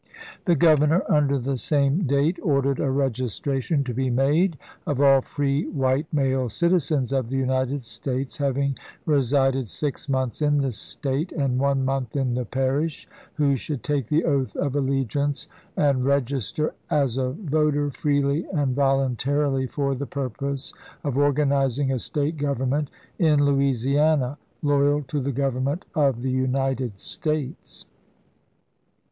The Grovernor, under the same date, ordered a registration to be made of all free white male citizens of the United States having resided six months in the State and one month in the parish, who should take the oath of orS! allegiance and register " as a voter freely and vol state^of untarily for the purpose of organizing a State Executive government, in Louisiana, loyal to the Government meut. of the United States."